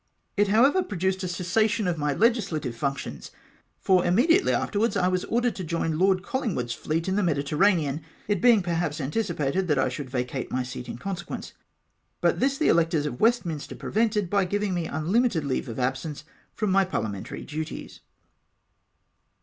It however produced a cessation of my legislative func tions I for immediately afterwards I was ordered to join Lord Collingwood's fleet in the Mediterranean ; it being perhaps anticipated that I should vacate my seat in consequence ; but this the electors of Westminster pre vented, by giving me unlimited leave of absence from my parhamentary duties.